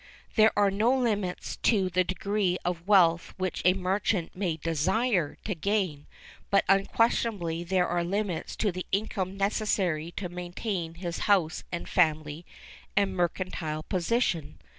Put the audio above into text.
There are no limits to the degree of wealth which a merchant may desire to gain, but unquestionably there are limits to the income necessary to maintain his house and family and mercantile position.